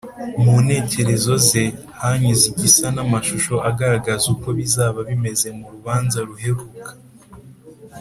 mu ntekerezo ze hanyuze igisa n’amashusho agaragaza uko bizaba bimeze mu rubanza ruheruka